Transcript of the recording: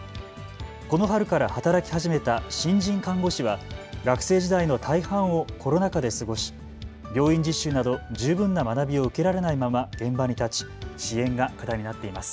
この春から働き始めた新人看護師は学生時代の大半をコロナ禍で過ごし病院実習など十分な学びを受けられないまま現場に立ち支援が課題になっています。